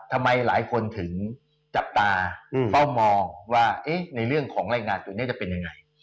หลายคนถึงจับตาเฝ้ามองว่าในเรื่องของรายงานตัวนี้จะเป็นยังไง